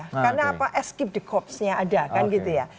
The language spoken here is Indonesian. karena apa eskip dekopsnya ada kan gitu ya